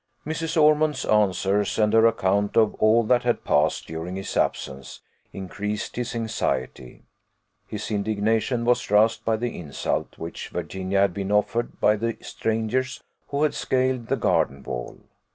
Mrs. Ormond's answers, and her account of all that had passed during his absence, increased his anxiety. His indignation was roused by the insult which Virginia had been offered by the strangers who had scaled the garden wall.